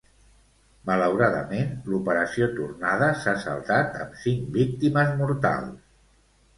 Malauradament, l'operació tornada s'ha saldat amb cinc víctimes mortals.